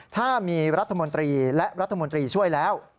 ถ้ามีรัฐมนตรีและรัฐมนตรีช่วยแล้ว